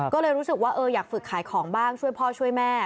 ก็เลยรู้สึกว่าอยากฝึกขายของบ้างช่วยพ่อช่วยแม่